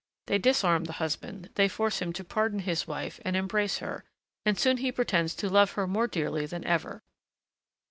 They disarm the husband, they force him to pardon his wife and embrace her, and soon he pretends to love her more dearly than ever.